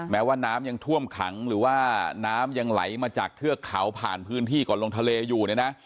แม้ว่าน้ำยังท่วมขังหรือว่าน้ำยังไหลมาจากเทือกเขาผ่านพื้นที่ก่อนลงทะเลอยู่เนี่ยนะ